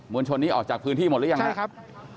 วลชนนี้ออกจากพื้นที่หมดหรือยังใช่ครับ